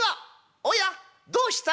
「おやどうしたい？